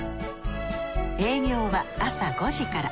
営業は朝５時から。